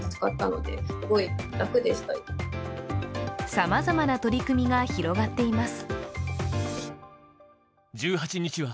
さまざまな取り組みが広がっています。